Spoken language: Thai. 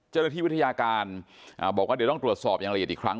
เจ้าหน้าที่วิทยาการบอกว่าเดี๋ยวต้องตรวจสอบอย่างละเอียดอีกครั้ง